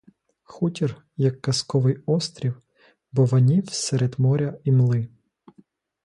Хутір, як казковий острів, бовванів серед моря імли.